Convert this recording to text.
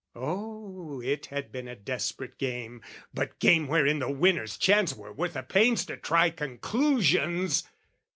Oh, it had been a desperate game, but game Wherein the winner's chance were worth the pains To try conclusions!